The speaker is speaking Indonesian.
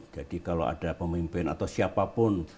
jadi kalau ada pemimpin atau siapa pun